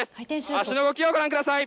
足の動きをご覧ください。